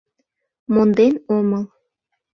Монден омыл.